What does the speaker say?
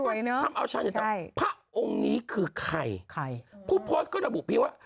สวยเนอะใช่พระองค์นี้คือใครพูดพอร์สก็ระบุพิวว่า